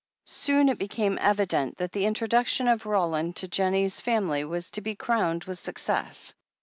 Soon it became evident that the introduction of Roland to Jennie's family was to be crowned with success.